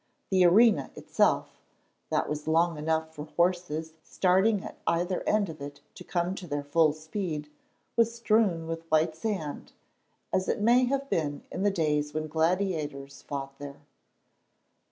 The arena itself, that was long enough for horses starting at either end of it to come to their full speed, was strewn with white sand, as it may have been in the days when gladiators fought there.